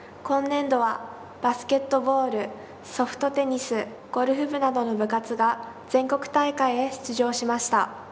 今年度は、バスケットボールソフトテニス、ゴルフ部などの部活が全国大会へ出場しました。